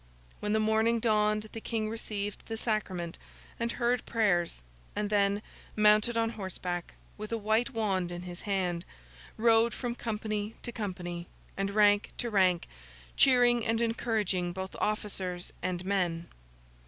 When the morning dawned, the King received the sacrament, and heard prayers, and then, mounted on horseback with a white wand in his hand, rode from company to company, and rank to rank, cheering and encouraging both officers and men.